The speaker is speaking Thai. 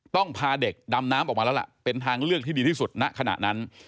พาเด็กดำน้ำออกมาแล้วล่ะเป็นทางเลือกที่ดีที่สุดณขณะนั้น